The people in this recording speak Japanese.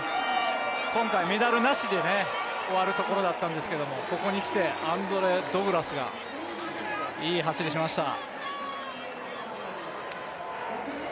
今回、メダルなしで終わるところだったんですけどここにきてアンドレ・ド・グラスがいい走りしました。